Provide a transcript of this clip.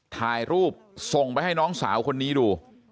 ถ่ายรูปส่งไปให้น้องสาวคนนี้ดู